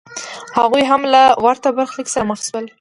هغوی هم له ورته برخلیک سره مخ شول.